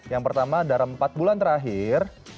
yang pertama dalam empat bulan terakhir